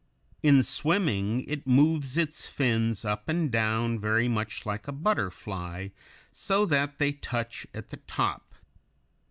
In swimming it moves its fins up and down very much like a butterfly, so that they touch at the top.